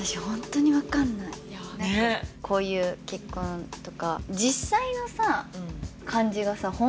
ホントに分かんないねっこういう結婚とか実際のさ感じがさ